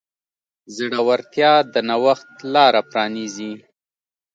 زړورتیا د نوښت لاره پرانیزي.